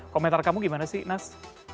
komentar kamu gimana sih nas